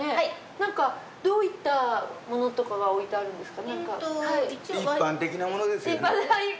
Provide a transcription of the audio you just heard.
なんかどういったものとかが置いてあるんですか？